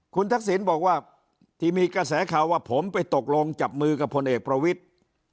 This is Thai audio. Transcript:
คุณทักษิณบอกว่าที่มีกระแสข่าวว่าผมไปตกลงจับมือกับพลเอกประวิทธิ์